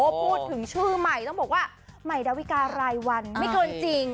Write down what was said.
พูดถึงชื่อใหม่ต้องบอกว่าใหม่ดาวิการายวันไม่เกินจริง